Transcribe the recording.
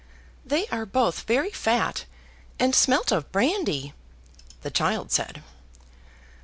"They are both very fat, and smelt of brandy," the child said.